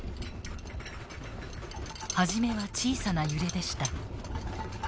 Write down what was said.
初めは小さな揺れでした。